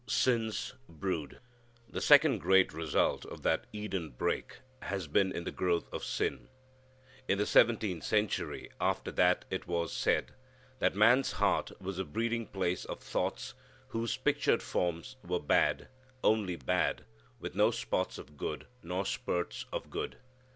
Sin's Brood. The second great result of that Eden break has been in the growth of sin. In the seventeenth century after that it was said that man's heart was a breeding place of thoughts whose pictured forms were bad, only bad, with no spots of good, nor spurts of good.